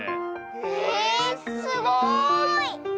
へえすごい！